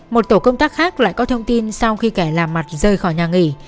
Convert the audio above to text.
một tổ công tác khác lại có thông tin sau khi kẻ làm mặt rời khỏi nhà nghỉ